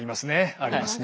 ありますね。